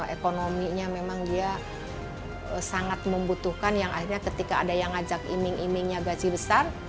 ekonominya memang dia sangat membutuhkan yang akhirnya ketika ada yang ngajak iming imingnya gaji besar